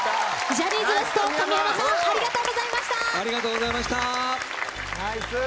ジャニーズＷＥＳＴ、神山さんありがとうございました。